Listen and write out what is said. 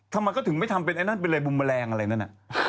ทำไมก็ถึงไม่ทำเป็นอะไรบุมแบล็งอะไรนั่น